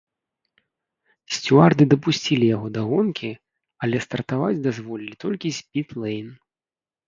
Сцюарды дапусцілі яго да гонкі, але стартаваць дазволілі толькі з піт-лэйн.